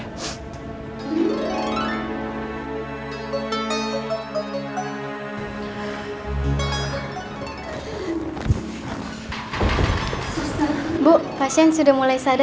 most hebat baik mempelajari masalah hidupnya